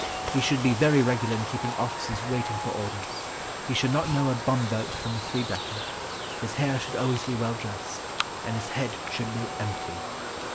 He should be very regular in keeping officers waiting for orders. He should not know a bumboat from a three decker. His hair should always be well dressed, And his head should be empty!